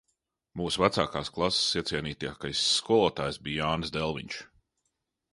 Mūsu vecākās klases iecienītākais skolotājs bija Jānis Delviņš.